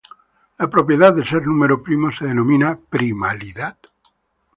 La propiedad de ser número primo se denomina primalidad.